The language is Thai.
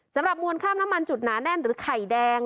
สำหรับมวลคราบน้ำมันจุดหนาแน่นหรือไข่แดง